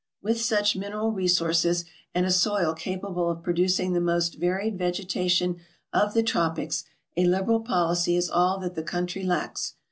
With such mineral resources and a soil capable of pro ducing the most varied vegetation of the tropics, a liberal policy is all that the country lacks.